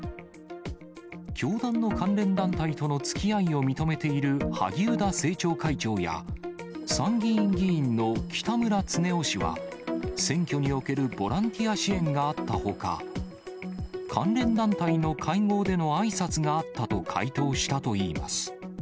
教団の関連団体とのつきあいを認めている萩生田政調会長や、参議院議員の北村経夫氏は、選挙におけるボランティア支援があったほか、関連団体の会合での、あいさつがあったと回答したといいます。